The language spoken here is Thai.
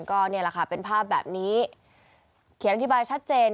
ก็เป็นภาพแบบนี้เขียนอธิบายชัดเจน